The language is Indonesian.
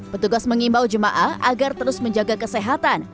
petugas mengimbau jemaah agar terus menjaga kesehatan